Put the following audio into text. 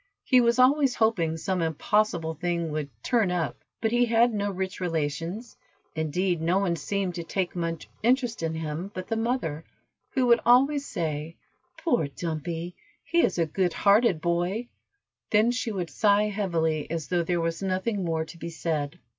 He was always hoping some impossible thing would "turn up," but he had no rich relations, indeed no one seemed to take much interest in him but the mother, who would always say, "Poor Dumpy, he is a good hearted boy," then she would sigh heavily, as though there was nothing more to be said.